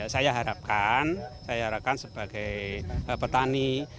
saya harapkan saya harapkan sebagai petani